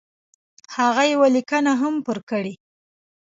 هغه یوه لیکنه هم پر کړې.